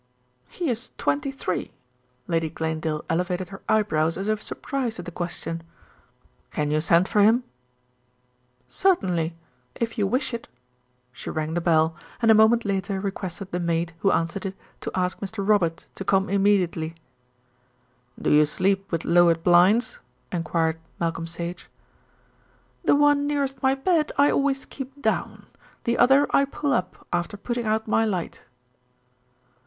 "He is twenty three." Lady Glanedale elevated her eyebrows as if surprised at the question. "Can you send for him?" "Certainly, if you wish it." She rang the bell, and a moment later requested the maid who answered it to ask Mr. Robert to come immediately. "Do you sleep with lowered blinds?" enquired Malcolm Sage. "The one nearest my bed I always keep down; the other I pull up after putting out my light."